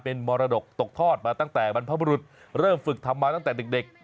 เป็นมรดกตกทอดมาตั้งแต่บรรพบรุษเริ่มฝึกทำมาตั้งแต่เด็ก